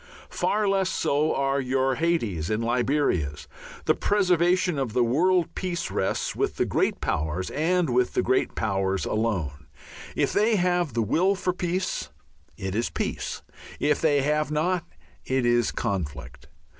Far less so are your Haytis and Liberias. The preservation of the world peace rests with the great powers and with the great powers alone. If they have the will for peace, it is peace. If they have not, it is conflict.